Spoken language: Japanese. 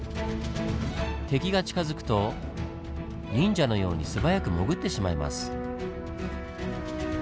敵が近づくと忍者のように素早く潜ってしまいます。